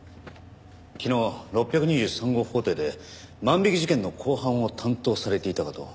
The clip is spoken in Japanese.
昨日６２３号法廷で万引き事件の公判を担当されていたかと。